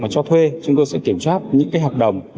cho thuê chúng tôi sẽ kiểm soát những hợp đồng